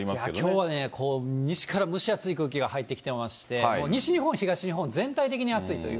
きょうはね、西から蒸し暑い空気が入ってきてまして、もう西日本、東日本、全体的に暑いという。